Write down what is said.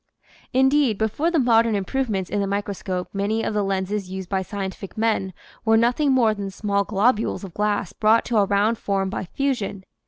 Indeed, before the modern improvements in the microscope many of the lenses used by scientific men were nothing more than small globules of glass brought to a round form by fusion.